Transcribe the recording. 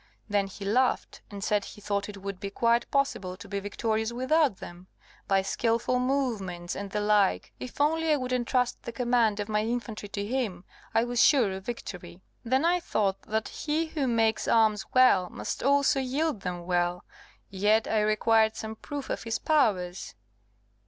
Then he laughed, and said he thought it would be quite possible to be victorious without them, by skilful movements and the like if only I would entrust the command of my infantry to him, I was sure of victory. Then I thought that he who makes arms well must also wield them well yet I required some proof of his powers.